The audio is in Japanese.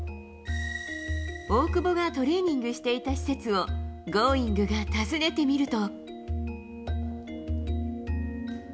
大久保がトレーニングしていた施設を「Ｇｏｉｎｇ！」が訪ねてみると。